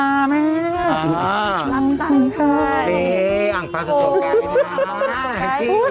วันนี้อังปาสะโชนค์แกนะ